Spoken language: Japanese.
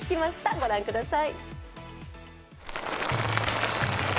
御覧ください。